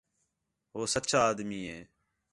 ہو سچّا آدمی ہے